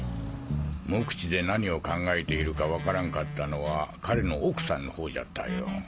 無口で何を考えているか分からんかったのは彼の奥さんの方じゃったよ。